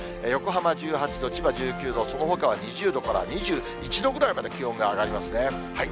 横浜１８度、千葉１９度、そのほかは２０度から２１度ぐらいまで気温が上がりますね。